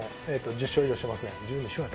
１０勝以上してます。